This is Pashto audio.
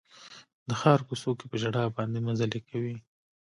د ښار کوڅو کې په ژړا باندې مزلې کوي